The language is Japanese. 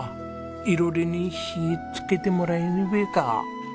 囲炉裏に火つけてもらえねべえか？